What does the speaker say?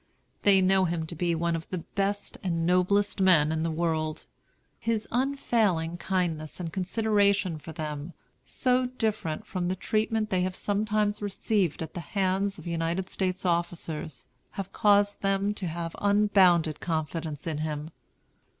They know him to be one of the best and noblest men in the world. His unfailing kindness and consideration for them, so different from the treatment they have sometimes received at the hands of United States officers, have caused them to have unbounded confidence in him.